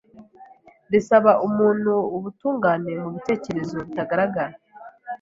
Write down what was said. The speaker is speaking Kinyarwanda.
risaba umuntu ubutungane mu bitekerezo bitagaragara,